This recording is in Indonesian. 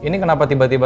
ini kenapa tiba tiba